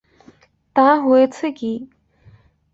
তা হয়েছে কী?